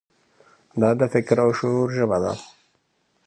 دا د فکر او شعور ژبه ده.